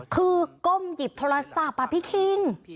คือก้มหยิบโทรศัพท์มาพิทริง